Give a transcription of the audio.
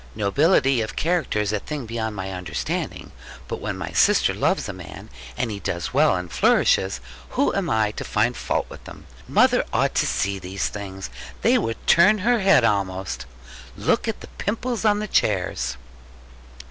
Nobility of character is a thing beyond my understanding; but when my sister loves a man, and he does well and flourishes, who am I to find fault with him? Mother ought to see these things: they would turn her head almost: look at the pimples on the chairs!'